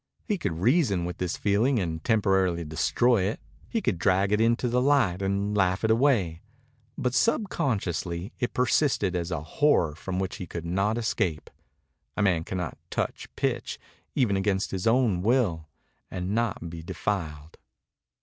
He could reason with this feeling and temporarily destroy it. He could drag it into the light and laugh it away. But subconsciously it persisted as a horror from which he could not escape. A man cannot touch pitch, even against his own will, and not be defiled.